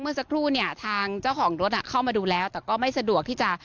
เมื่อสักครู่เนี่ยทางเจ้าของรถเข้ามาดูแล้วแต่ก็ไม่สะดวกที่จะ